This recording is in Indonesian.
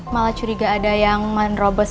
malah curiga ada yang menerobos